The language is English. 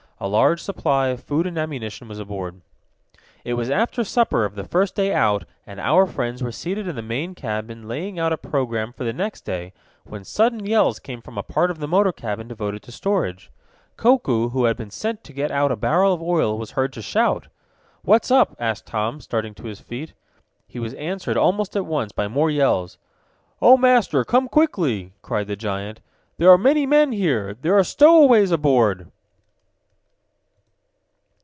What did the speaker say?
A large supply of food and ammunition was aboard. It was after supper of the first day out, and our friends were seated in the main cabin laying out a program for the next day, when sudden yells came from a part of the motor cabin devoted to storage. Koku, who had been sent to get out a barrel of oil, was heard to shout. "What's up?" asked Tom, starting to his feet. He was answered almost at once by more yells. "Oh, Master! Come quickly!" cried the giant. "There are many men here. There are stowaways aboard!"